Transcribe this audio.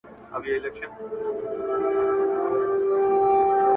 نوټ دستوري او پسرلي څخه مي مراد ارواح ښاد